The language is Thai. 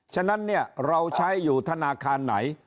ฉะนั้นเนี่ยเราใช้อยู่ธนาคารไหน